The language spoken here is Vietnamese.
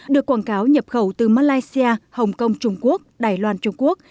được quảng cáo nhập khẩu từ malaysia hồng kông trung quốc đài loan trung quốc